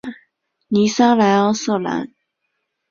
尼桑莱昂瑟兰。